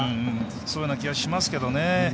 そういうふうな気がしますけどね。